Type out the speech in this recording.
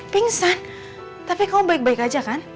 pingsan tapi kamu baik baik aja kan